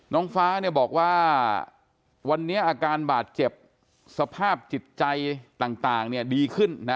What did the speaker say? น้องฟ้าบอกว่าวันนี้อาการบาดเจ็บสภาพจิตใจต่างดีขึ้นนะ